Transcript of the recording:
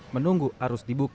menunggu arus dibuka